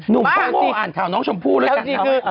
หนุ่มประโมงอ่านข่าวน้องชมพูด้วยกัน